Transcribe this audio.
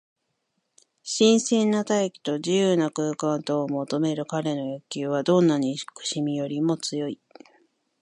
新鮮な大気と自由な空間とを求めるかれの欲求は、どんな憎しみよりも強い。